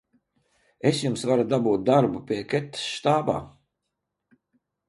Es Jums varu dabūt darbu pie Ketas štābā!